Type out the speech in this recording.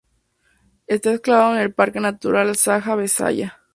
Está enclavado en el Parque natural Saja-Besaya.